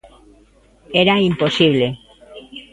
Era imposible.